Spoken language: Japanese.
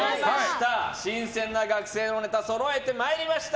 新鮮な学生のネタそろえてまいりました。